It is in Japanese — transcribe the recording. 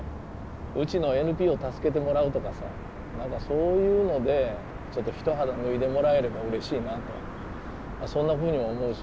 うちのＮＰＯ助けてもらうとかさなんかそういうのでちょっと一肌脱いでもらえればうれしいなとそんなふうにも思うし。